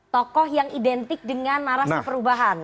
tokoh yang identik dengan narasi perubahan